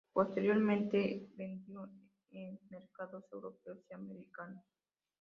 Posteriormente vendió en Mercados Europeos y Americanos.